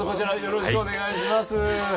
よろしくお願いします。